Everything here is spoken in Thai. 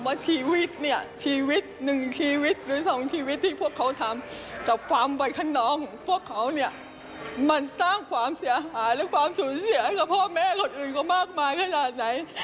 ว่าชีวิตเนี่ยชีวิตหนึ่งชีวิตหรือสองชีวิตที่พวกเขาทำกับความวัยคนนองของพวกเขาเนี่ยมันสร้างความเสียหายหรือความสูญเสียให้กับพ่อแม่คนอื่นเขามากมายขนาดไหน